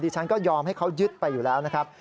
ฉันก็ยอมให้เขายึดไปอยู่แล้วนะครับ